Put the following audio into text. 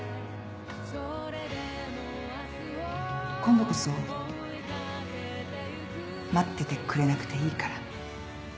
今度こそ待っててくれなくていいから。